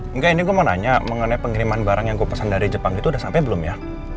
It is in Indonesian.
enggak ini gue mau nanya mengenai pengiriman barang yang gue pesan dari jepang itu udah sampai belum ya